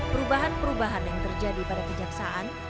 perubahan perubahan yang terjadi pada kejaksaan